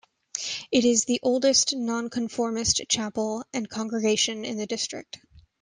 It is the oldest non-conformist chapel and congregation in the district.